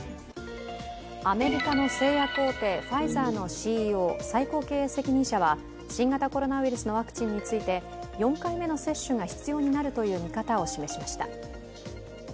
アメリカの製薬大手、ファイザーのＣＥＯ＝最高経営責任者は新型コロナウイルスのワクチンについて４回目の接種が必要になるという見方を示しました。